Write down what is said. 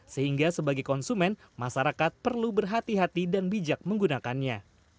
sehingga sebagai konsumen masyarakat perlu berhati hati dan bijak menggunakannya